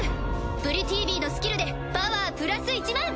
プリティヴィーのスキルでパワープラス１００００！